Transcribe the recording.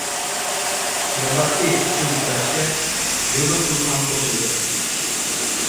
Mbappe uchun kurashga “Liverpul” ham qo‘shildi